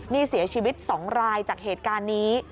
นี่เสียชีวิต๒รายจากเหตุการณ์นี้